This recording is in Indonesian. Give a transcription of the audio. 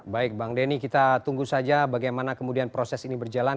baik bang denny kita tunggu saja bagaimana kemudian proses ini berjalan